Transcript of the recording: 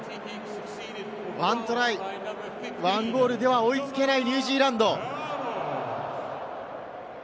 １トライ１ゴールでは追いつけないニュージーランド。